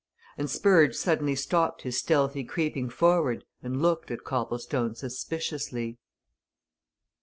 And Spurge suddenly stopped his stealthy creeping forward and looked at Copplestone suspiciously.